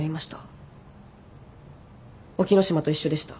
沖野島と一緒でした。